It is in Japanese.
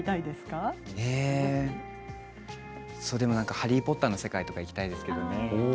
「ハリー・ポッター」の世界とか行きたいですけれどもね。